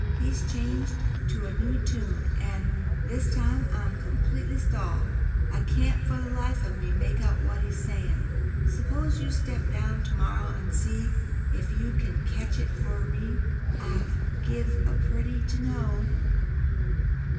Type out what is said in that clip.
He's changed to a new tune, an' this time I'm completely stalled. I can't for the life of me make out what he's saying. S'pose you step down to morrow an' see if you can catch it for me. I'd give a pretty to know!"